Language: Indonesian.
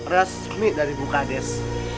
resmi dari bu kades